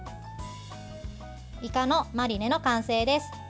いかのマリネの完成です。